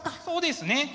そうですね。